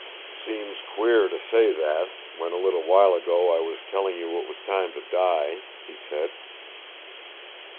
"Seems queer to say that, when a little while ago I was telling you it was time to die," he said.